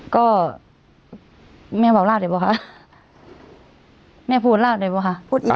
ก็แม่บอกลาดได้ป่อะคะแม่พูดลาดได้ป่ะคะ